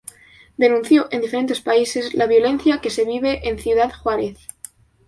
Denunció en diferentes países la violencia que se vive en Ciudad Juárez.